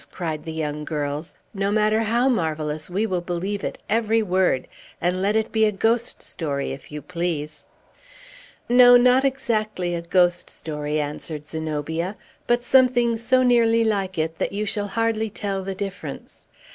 cried the young girls. "No matter how marvellous; we will believe it, every word. And let it be a ghost story, if you please." "No, not exactly a ghost story," answered Zenobia; "but something so nearly like it that you shall hardly tell the difference.